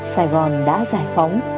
sài gòn đã giải phóng